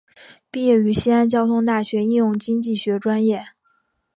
毕业于西安交通大学应用经济学专业。